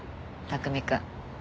拓海くん。